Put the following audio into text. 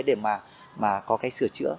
để mà có cái sửa chữa